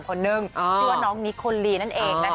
ชื่อว่าน้องนี่คนรีนั่นเอง